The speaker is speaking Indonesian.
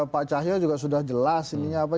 pak cahyo juga sudah jelas ininya apa